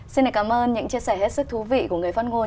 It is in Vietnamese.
xin cảm ơn những chia sẻ hết sức thú vị của người phát ngôn